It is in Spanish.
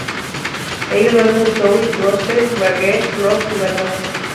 Ellos hacen soul, gospel, reggae, rock y baladas.